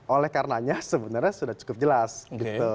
oleh karenanya sebenarnya sudah cukup jelas gitu